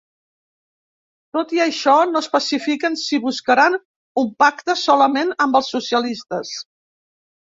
Tot i això, no especifiquen si buscaran un pacte solament amb els socialistes.